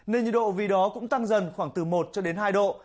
nên nhiệt độ vì đó cũng tăng dần khoảng từ một cho đến hai độ